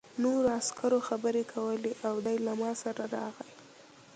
نورو عسکرو خبرې کولې او دی له ما سره راغی